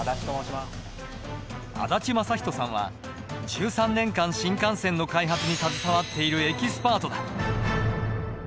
足立昌仁さんは１３年間新幹線の開発に携わっているエキスパートだ。